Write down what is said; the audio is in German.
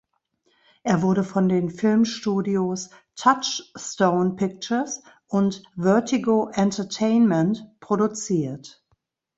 Er wurde von den Filmstudios Touchstone Pictures und Vertigo Entertainment produziert.